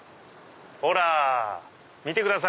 ほら見てください。